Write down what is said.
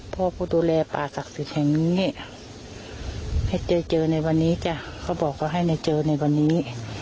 ผู้ดูแลป่าศักดิ์สิทธิ์แห่งนี้ให้เจอเจอในวันนี้จ้ะเขาบอกเขาให้มาเจอในวันนี้